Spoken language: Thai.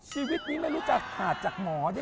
ชีวิตนี้ไม่รู้จักหาจากหมอด้วยมั้ย